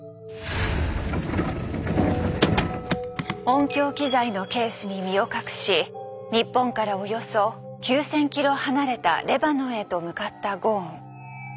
音響機材のケースに身を隠し日本からおよそ９，０００キロ離れたレバノンへと向かったゴーン。